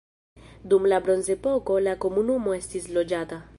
Dum la bronzepoko la komunumo estis loĝata.